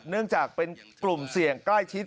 เนื่องจากเป็นกลุ่มเสี่ยงใกล้ชิด